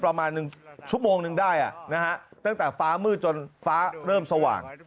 ประมาณชั่วโมงนึงได้ตั้งแต่ฟ้ามืดจนฟ้าเริ่มสว่าง